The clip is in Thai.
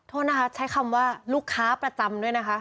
โทษนะคะใช้คำว่าลูกค้าประจำด้วยนะคะ